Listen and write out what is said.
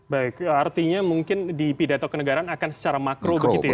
baik artinya mungkin di pidato kenegaraan akan secara makro begitu ya